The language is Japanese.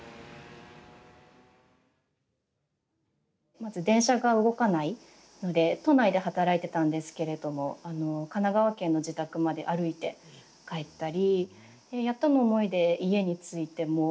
まず電車が動かないので都内で働いてたんですけれども神奈川県の自宅まで歩いて帰ったり。